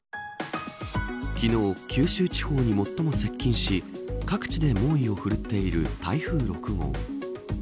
昨日、九州地方に最も接近し各地で猛威を振るっている台風６号。